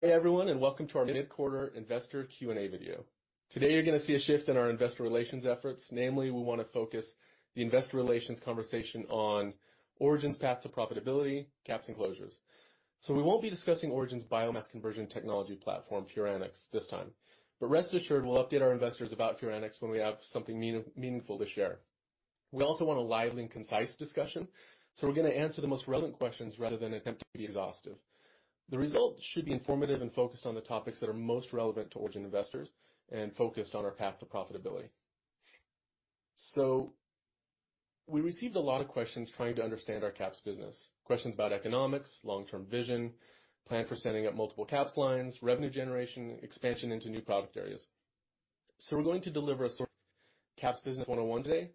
Hey everyone, and welcome to our mid-quarter investor Q&A video. Today you're going to see a shift in our investor relations efforts. Namely, we want to focus the investor relations conversation on Origin's path to profitability, caps, and closures. So we won't be discussing Origin's biomass conversion technology platform, furanics, this time. But rest assured, we'll update our investors about furanics when we have something meaningful to share. We also want a lively, concise discussion, so we're going to answer the most relevant questions rather than attempt to be exhaustive. The result should be informative and focused on the topics that are most relevant to Origin investors and focused on our path to profitability. So we received a lot of questions trying to understand our caps business: questions about economics, long-term vision, plan for setting up multiple caps lines, revenue generation, expansion into new product areas. So we're going to deliver a sort of caps business 101 today,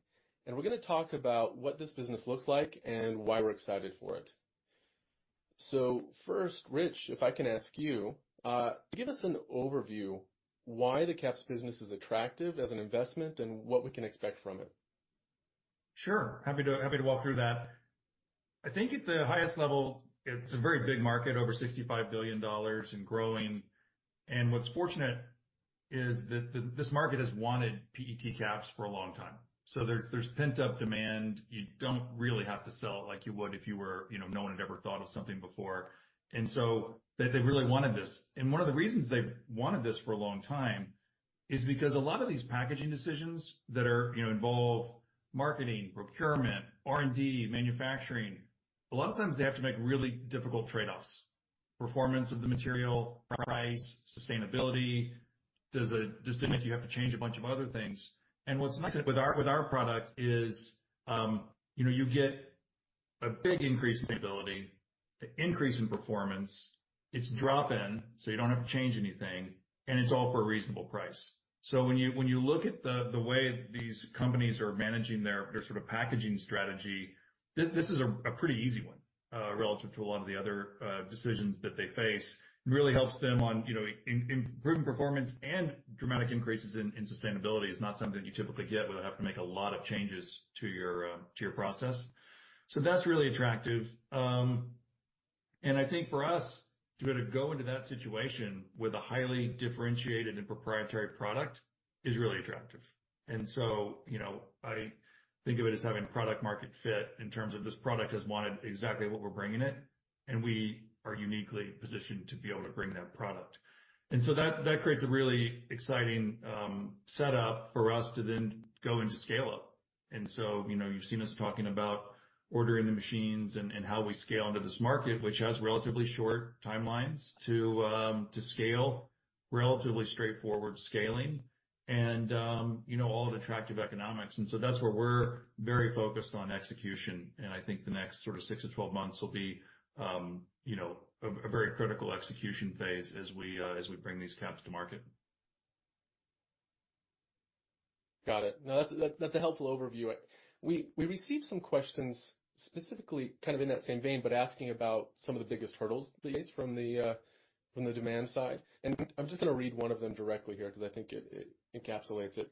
and we're going to talk about what this business looks like and why we're excited for it. So first, Rich, if I can ask you, give us an overview of why the caps business is attractive as an investment and what we can expect from it. Sure. Happy to walk through that. I think at the highest level, it's a very big market, over $65 billion and growing. And what's fortunate is that this market has wanted PET caps for a long time. So there's pent-up demand. You don't really have to sell it like you would if you were, no one had ever thought of something before. And so they really wanted this. And one of the reasons they've wanted this for a long time is because a lot of these packaging decisions that involve marketing, procurement, R&D, manufacturing, a lot of times they have to make really difficult trade-offs: performance of the material, price, sustainability. Does it just mean you have to change a bunch of other things? And what's nice with our product is you get a big increase in stability, an increase in performance. It's drop-in, so you don't have to change anything, and it's all for a reasonable price, so when you look at the way these companies are managing their sort of packaging strategy, this is a pretty easy one relative to a lot of the other decisions that they face. It really helps them on improving performance, and dramatic increases in sustainability is not something that you typically get where they have to make a lot of changes to your process, so that's really attractive, and I think for us to be able to go into that situation with a highly differentiated and proprietary product is really attractive, and so I think of it as having product-market fit in terms of the market has wanted exactly what we're bringing to it, and we are uniquely positioned to be able to bring that product. And so that creates a really exciting setup for us to then go into scale-up. And so you've seen us talking about ordering the machines and how we scale into this market, which has relatively short timelines to scale, relatively straightforward scaling, and all attractive economics. And so that's where we're very focused on execution. And I think the next sort of six to 12 months will be a very critical execution phase as we bring these caps to market. Got it. No, that's a helpful overview. We received some questions specifically kind of in that same vein, but asking about some of the biggest hurdles from the demand side. And I'm just going to read one of them directly here because I think it encapsulates it.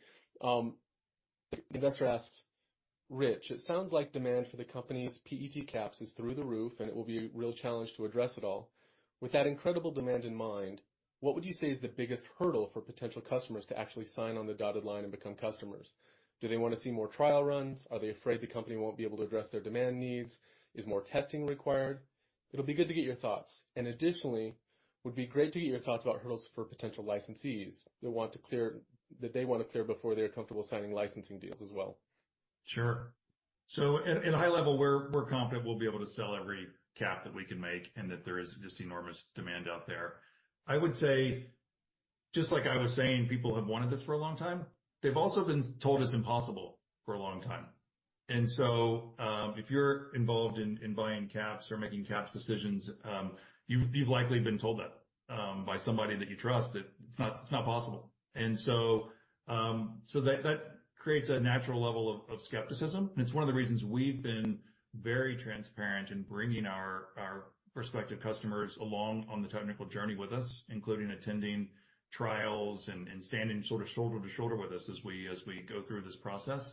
Investor asks, "Rich, it sounds like demand for the company's PET caps is through the roof, and it will be a real challenge to address it all. With that incredible demand in mind, what would you say is the biggest hurdle for potential customers to actually sign on the dotted line and become customers? Do they want to see more trial runs? Are they afraid the company won't be able to address their demand needs? Is more testing required? It'll be good to get your thoughts. And additionally, it would be great to get your thoughts about hurdles for potential licensees that they want to clear before they're comfortable signing licensing deals as well. Sure. So at a high level, we're confident we'll be able to sell every cap that we can make and that there is just enormous demand out there. I would say, just like I was saying, people have wanted this for a long time. They've also been told it's impossible for a long time. And so if you're involved in buying caps or making caps decisions, you've likely been told that by somebody that you trust that it's not possible. And so that creates a natural level of skepticism. And it's one of the reasons we've been very transparent in bringing our prospective customers along on the technical journey with us, including attending trials and standing sort of shoulder to shoulder with us as we go through this process.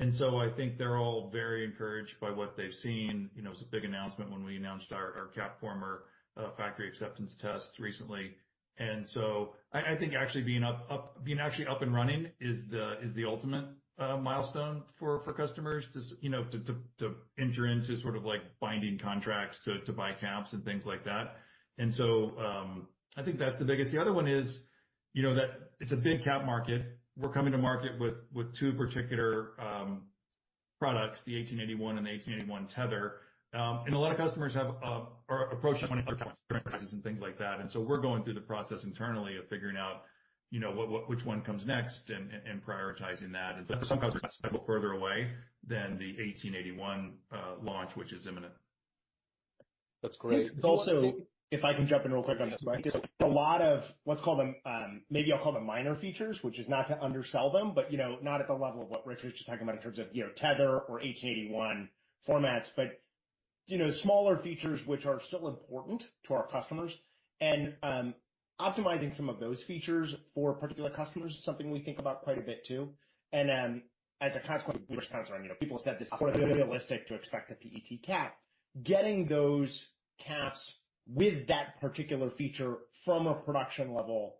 And so I think they're all very encouraged by what they've seen. It was a big announcement when we announced our CapFormer Factory Acceptance Test recently, and so I think actually being up and running is the ultimate milestone for customers to enter into sort of binding contracts to buy caps and things like that, and so I think that's the biggest. The other one is that it's a big cap market. We're coming to market with two particular products, the 1881 and the 1881 tether, and a lot of customers are approaching one another for expenses and things like that, and so we're going through the process internally of figuring out which one comes next and prioritizing that, and so some customers are a little further away than the 1881 launch, which is imminent. That's great. Also, if I can jump in real quick on this, right? There's a lot of what's called a, maybe I'll call them minor features, which is not to undersell them, but not at the level of what Rich's just talking about in terms of Tether or 1881 formats, but smaller features which are still important to our customers. And optimizing some of those features for particular customers is something we think about quite a bit too. And as a consequence, we were just kind of saying people said this is realistic to expect a PET cap, getting those caps with that particular feature from a production level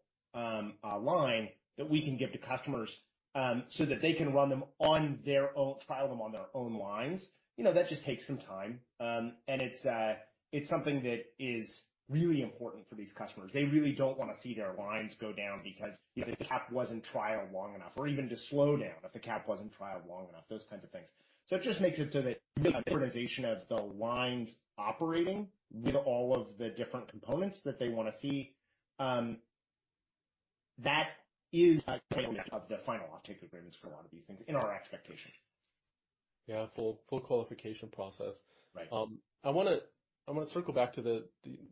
line that we can give to customers so that they can run them on their own, trial them on their own lines. That just takes some time. And it's something that is really important for these customers. They really don't want to see their lines go down because the cap wasn't trialed long enough, or even to slow down if the cap wasn't trialed long enough, those kinds of things, so it just makes it so that the organization of the lines operating with all of the different components that they want to see, that is the final off-take agreements for a lot of these things in our expectation. Yeah, full qualification process. I want to circle back to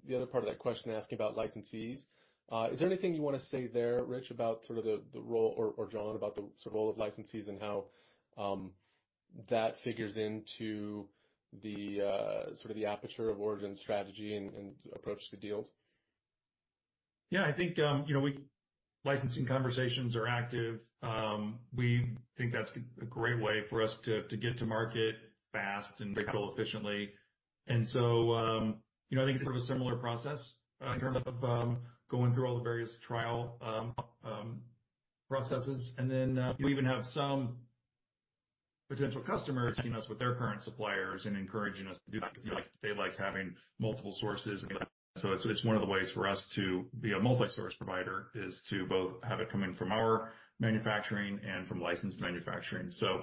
the other part of that question asking about licensees. Is there anything you want to say there, Rich, about sort of the role or John, about the role of licensees and how that figures into sort of the aperture of Origin's strategy and approach to the deals? Yeah, I think licensing conversations are active. We think that's a great way for us to get to market fast and very efficiently. And so I think it's sort of a similar process in terms of going through all the various trial processes. And then we even have some potential customers teaming us with their current suppliers and encouraging us to do that because they like having multiple sources. And so it's one of the ways for us to be a multi-source provider is to both have it come in from our manufacturing and from licensed manufacturing. So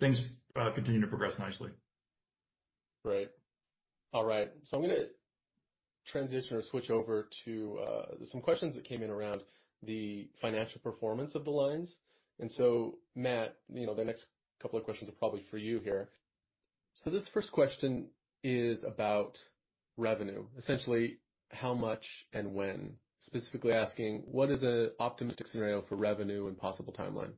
things continue to progress nicely. Great. All right. So I'm going to transition or switch over to some questions that came in around the financial performance of the lines. And so, Matt, the next couple of questions are probably for you here. So this first question is about revenue. Essentially, how much and when? Specifically asking, what is an optimistic scenario for revenue and possible timeline?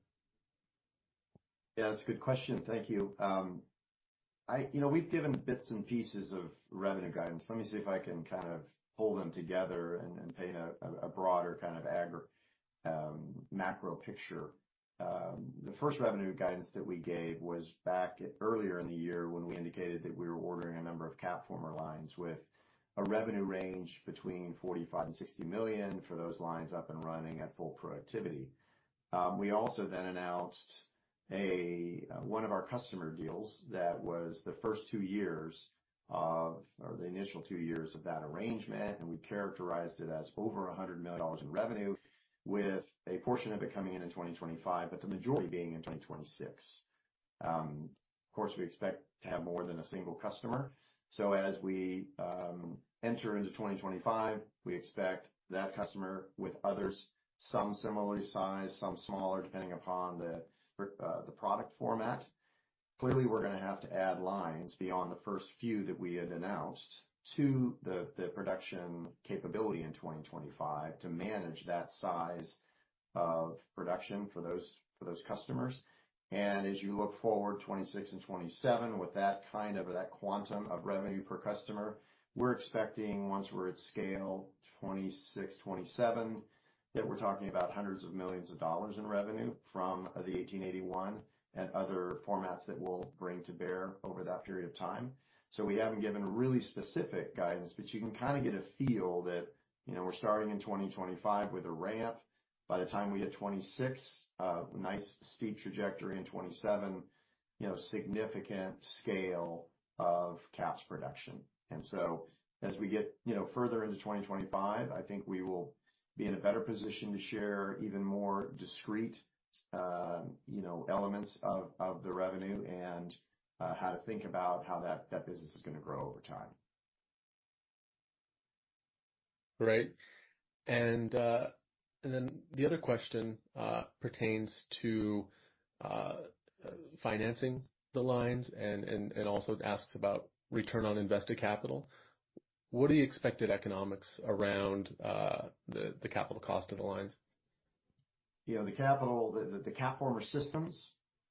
Yeah, that's a good question. Thank you. We've given bits and pieces of revenue guidance. Let me see if I can kind of pull them together and paint a broader kind of macro picture. The first revenue guidance that we gave was back earlier in the year when we indicated that we were ordering a number of CapFormer lines with a revenue range between $45 million-$60 million for those lines up and running at full productivity. We also then announced one of our customer deals that was the first two years of, or the initial two years of that arrangement. And we characterized it as over $100 million in revenue, with a portion of it coming in in 2025, but the majority being in 2026. Of course, we expect to have more than a single customer. As we enter into 2025, we expect that customer with others, some similar size, some smaller depending upon the product format. Clearly, we're going to have to add lines beyond the first few that we had announced to the production capability in 2025 to manage that size of production for those customers. As you look forward to 2026 and 2027, with that kind of quantum of revenue per customer, we're expecting once we're at scale 2026, 2027, that we're talking about hundreds of millions of dollars in revenue from the 1881 and other formats that we'll bring to bear over that period of time. We haven't given really specific guidance, but you can kind of get a feel that we're starting in 2025 with a ramp. By the time we hit 2026, nice steep trajectory in 2027, significant scale of caps production. And so as we get further into 2025, I think we will be in a better position to share even more discrete elements of the revenue and how to think about how that business is going to grow over time. Great. And then the other question pertains to financing the lines and also asks about return on invested capital. What are the expected economics around the capital cost of the lines? Yeah, the capital that the CapFormer systems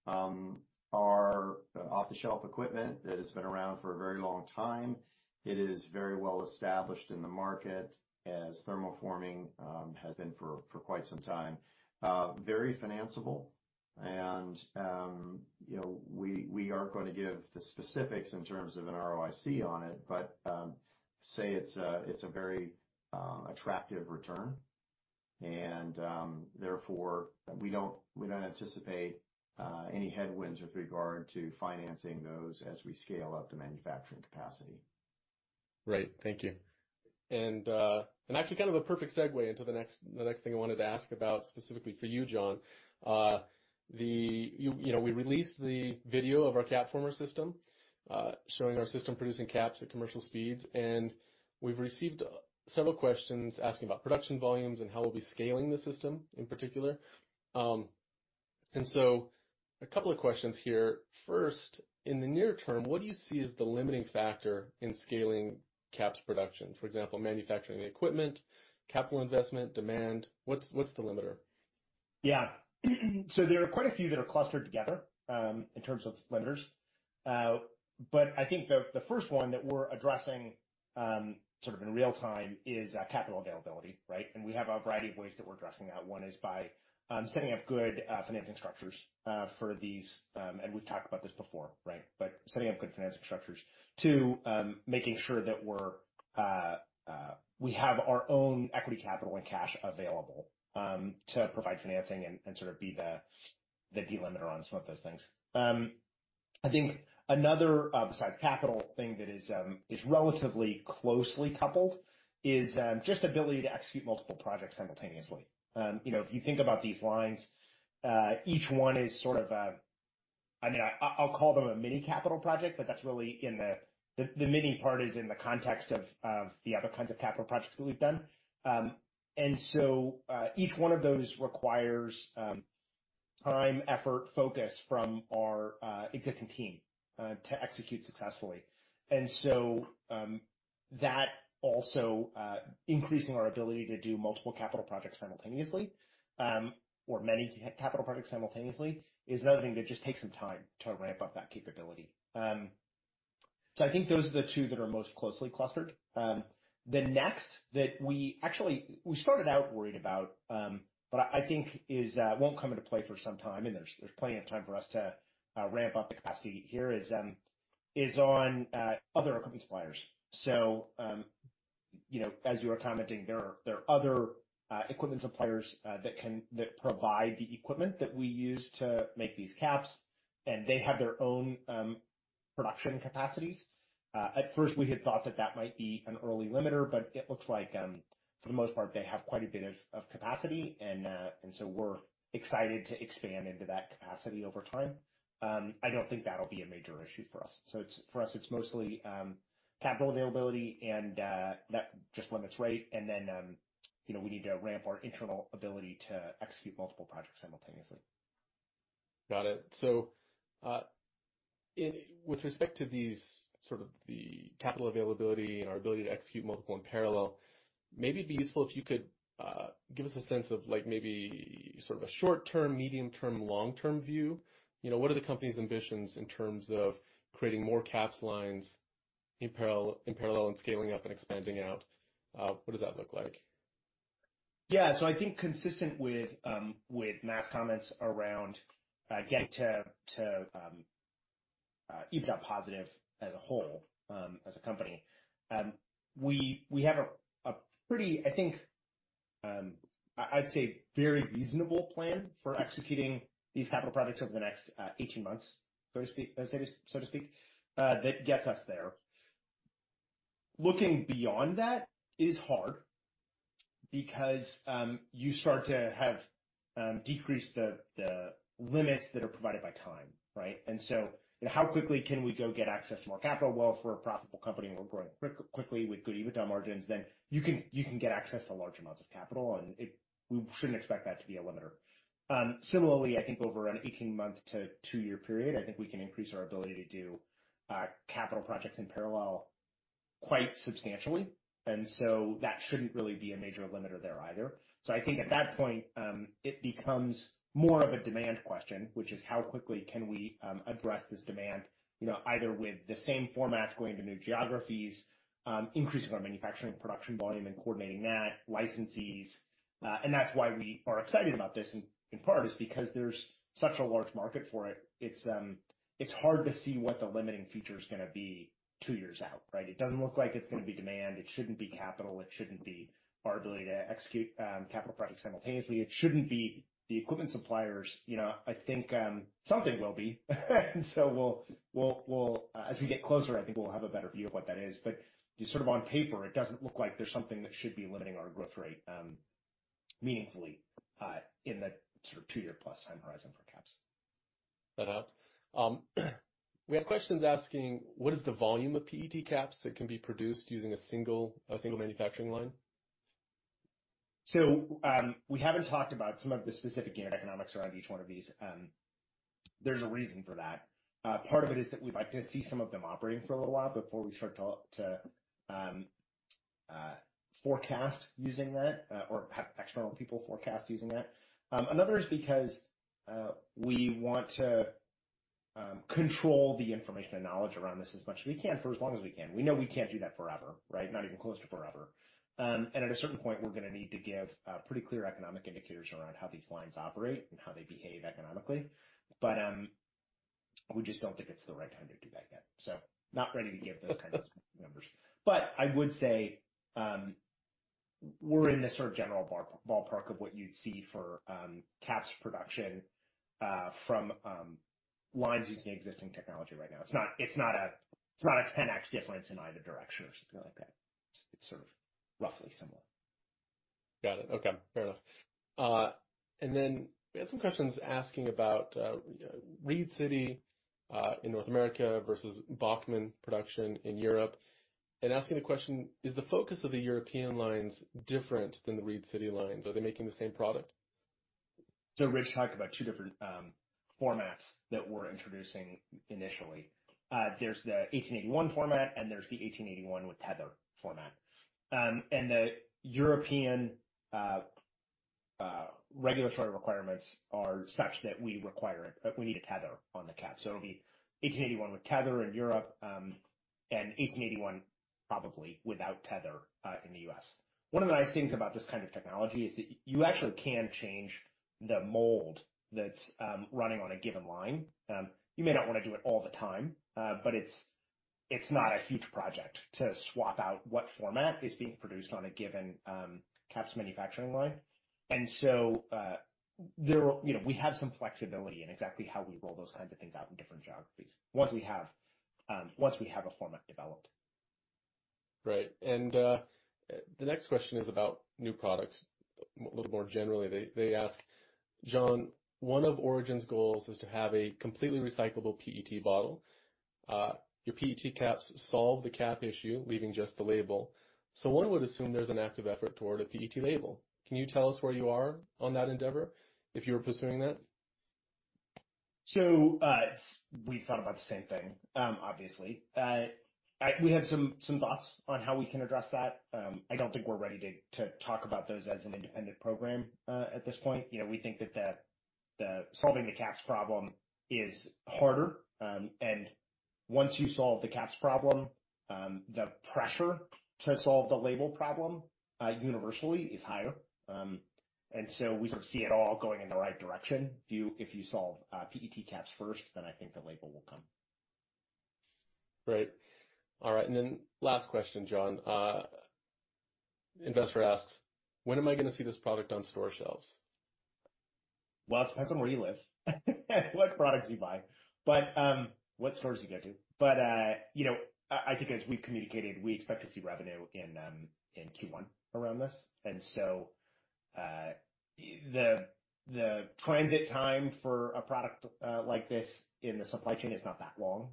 are off-the-shelf equipment that has been around for a very long time. It is very well established in the market as thermoforming has been for quite some time. Very financeable. And we aren't going to give the specifics in terms of an ROIC on it, but say it's a very attractive return. And therefore, we don't anticipate any headwinds with regard to financing those as we scale up the manufacturing capacity. Great. Thank you. And actually kind of a perfect segue into the next thing I wanted to ask about specifically for you, John. We released the video of our CapFormer system showing our system producing caps at commercial speeds. And we've received several questions asking about production volumes and how we'll be scaling the system in particular. And so a couple of questions here. First, in the near term, what do you see as the limiting factor in scaling caps production? For example, manufacturing the equipment, capital investment, demand. What's the limiter? Yeah. So there are quite a few that are clustered together in terms of limiters. But I think the first one that we're addressing sort of in real time is capital availability, right? And we have a variety of ways that we're addressing that. One is by setting up good financing structures for these. And we've talked about this before, right? But setting up good financing structures. Two, making sure that we have our own equity capital and cash available to provide financing and sort of be the delimiter on some of those things. I think another besides capital thing that is relatively closely coupled is just the ability to execute multiple projects simultaneously. If you think about these lines, each one is sort of a, I mean, I'll call them a mini capital project, but that's really in the mini part is in the context of the other kinds of capital projects that we've done, and so each one of those requires time, effort, focus from our existing team to execute successfully, and so that also increases our ability to do multiple capital projects simultaneously or many capital projects simultaneously is another thing that just takes some time to ramp up that capability, so I think those are the two that are most closely clustered. The next that we actually started out worried about, but I think won't come into play for some time, and there's plenty of time for us to ramp up the capacity here is on other equipment suppliers. So as you were commenting, there are other equipment suppliers that provide the equipment that we use to make these caps, and they have their own production capacities. At first, we had thought that that might be an early limiter, but it looks like for the most part, they have quite a bit of capacity. And so we're excited to expand into that capacity over time. I don't think that'll be a major issue for us. So for us, it's mostly capital availability, and that just limits rate. And then we need to ramp our internal ability to execute multiple projects simultaneously. Got it. So with respect to these sort of the capital availability and our ability to execute multiple in parallel, maybe it'd be useful if you could give us a sense of maybe sort of a short-term, medium-term, long-term view. What are the company's ambitions in terms of creating more caps lines in parallel and scaling up and expanding out? What does that look like? Yeah. So I think consistent with Matt's comments around getting to even a positive as a whole as a company, we have a pretty, I think, I'd say very reasonable plan for executing these capital projects over the next 18 months, so to speak, that gets us there. Looking beyond that is hard because you start to have decreased the limits that are provided by time, right? And so how quickly can we go get access to more capital? Well, if we're a profitable company and we're growing quickly with good EBITDA margins, then you can get access to large amounts of capital, and we shouldn't expect that to be a limiter. Similarly, I think over an 18-month to two-year period, I think we can increase our ability to do capital projects in parallel quite substantially. And so that shouldn't really be a major limiter there either. So I think at that point, it becomes more of a demand question, which is how quickly can we address this demand, either with the same formats going to new geographies, increasing our manufacturing production volume and coordinating that, licensees. And that's why we are excited about this in part is because there's such a large market for it. It's hard to see what the limiting feature is going to be two years out, right? It doesn't look like it's going to be demand. It shouldn't be capital. It shouldn't be our ability to execute capital projects simultaneously. It shouldn't be the equipment suppliers. I think something will be. And so as we get closer, I think we'll have a better view of what that is. but sort of on paper, it doesn't look like there's something that should be limiting our growth rate meaningfully in the sort of two-year-plus time horizon for caps. That helps. We have questions asking what is the volume of PET caps that can be produced using a single manufacturing line? So we haven't talked about some of the specific economics around each one of these. There's a reason for that. Part of it is that we'd like to see some of them operating for a little while before we start to forecast using that or have external people forecast using that. Another is because we want to control the information and knowledge around this as much as we can for as long as we can. We know we can't do that forever, right? Not even close to forever. And at a certain point, we're going to need to give pretty clear economic indicators around how these lines operate and how they behave economically. But we just don't think it's the right time to do that yet. So not ready to give those kinds of numbers. But I would say we're in this sort of general ballpark of what you'd see for caps production from lines using existing technology right now. It's not a 10x difference in either direction or something like that. It's sort of roughly similar. Got it. Okay. Fair enough. And then we had some questions asking about Reed City in North America versus Bachmann production in Europe. And asking the question, is the focus of the European lines different than the Reed City lines? Are they making the same product? Rich talked about two different formats that we're introducing initially. There's the 1881 format, and there's the 1881 with tether format. The European regulatory requirements are such that we need a tether on the cap. It'll be 1881 with tether in Europe and 1881 probably without tether in the U.S. One of the nice things about this kind of technology is that you actually can change the mold that's running on a given line. You may not want to do it all the time, but it's not a huge project to swap out what format is being produced on a given caps manufacturing line. We have some flexibility in exactly how we roll those kinds of things out in different geographies once we have a format developed. Right. And the next question is about new products a little more generally. They ask, "John, one of Origin's goals is to have a completely recyclable PET bottle. Your PET caps solve the cap issue, leaving just the label. So one would assume there's an active effort toward a PET label. Can you tell us where you are on that endeavor if you were pursuing that? So we've thought about the same thing, obviously. We have some thoughts on how we can address that. I don't think we're ready to talk about those as an independent program at this point. We think that solving the caps problem is harder. And once you solve the caps problem, the pressure to solve the label problem universally is higher. And so we sort of see it all going in the right direction. If you solve PET caps first, then I think the label will come. Right. All right. And then last question, John. Investor asks, "When am I going to see this product on store shelves? It depends on where you live, what products you buy, what stores you go to. I think as we've communicated, we expect to see revenue in Q1 around this. The transit time for a product like this in the supply chain is not that long.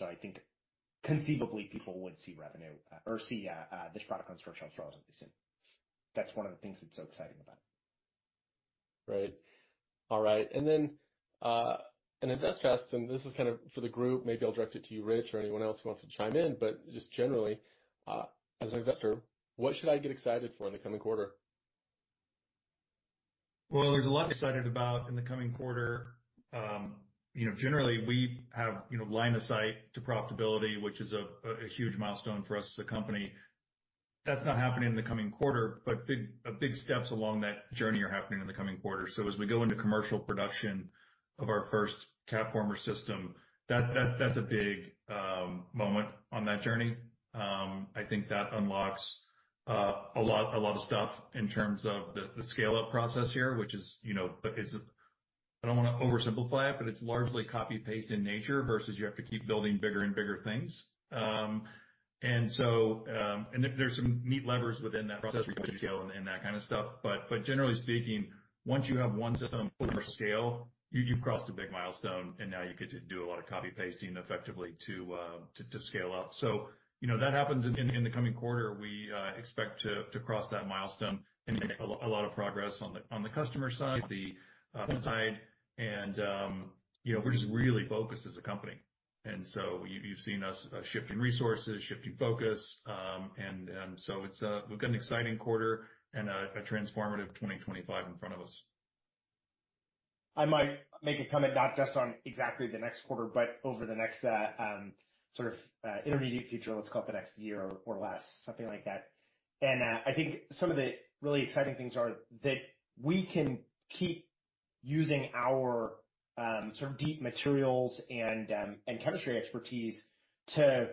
I think conceivably people would see revenue or see this product on store shelves relatively soon. That's one of the things that's so exciting about it. Right. All right. And then an investor asked, and this is kind of for the group, maybe I'll direct it to you, Rich, or anyone else who wants to chime in, but just generally, as an investor, what should I get excited for in the coming quarter? There's a lot to be excited about in the coming quarter. Generally, we have line of sight to profitability, which is a huge milestone for us as a company. That's not happening in the coming quarter, but big steps along that journey are happening in the coming quarter. As we go into commercial production of our first CapFormer system, that's a big moment on that journey. I think that unlocks a lot of stuff in terms of the scale-up process here, which is, I don't want to oversimplify it, but it's largely copy-paste in nature versus you have to keep building bigger and bigger things. There's some neat levers within that process for you to scale and that kind of stuff. But generally speaking, once you have one system or scale, you've crossed a big milestone, and now you get to do a lot of copy-pasting effectively to scale up. So that happens in the coming quarter. We expect to cross that milestone and make a lot of progress on the customer side, the finance side. And we're just really focused as a company. And so you've seen us shifting resources, shifting focus. And so we've got an exciting quarter and a transformative 2025 in front of us. I might make a comment not just on exactly the next quarter, but over the next sort of intermediate future, let's call it the next year or less, something like that. And I think some of the really exciting things are that we can keep using our sort of deep materials and chemistry expertise to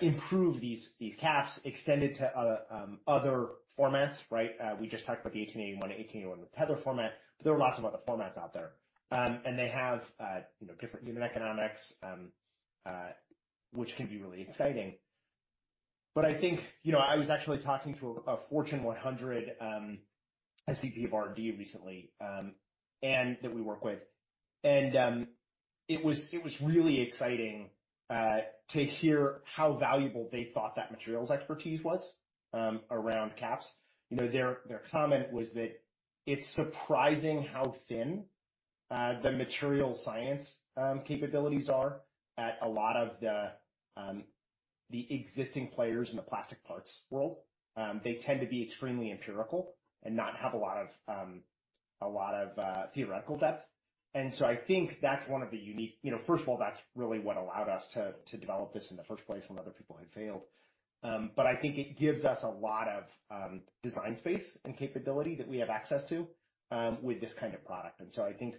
improve these caps extended to other formats, right? We just talked about the 1881 and 1881 with tether format, but there are lots of other formats out there. And they have different unit economics, which can be really exciting. But I think I was actually talking to a Fortune 100 SVP of R&D recently that we work with. And it was really exciting to hear how valuable they thought that materials expertise was around caps. Their comment was that it's surprising how thin the material science capabilities are at a lot of the existing players in the plastic parts world. They tend to be extremely empirical and not have a lot of theoretical depth, and so I think that's one of the unique first of all, that's really what allowed us to develop this in the first place when other people had failed, but I think it gives us a lot of design space and capability that we have access to with this kind of product, and so I think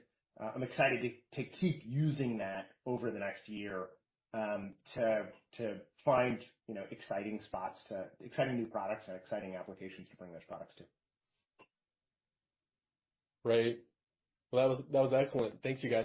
I'm excited to keep using that over the next year to find exciting spots, exciting new products, and exciting applications to bring those products to. Right. Well, that was excellent. Thank you, guys.